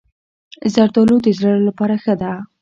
زردالو د زړه لپاره ښه ده.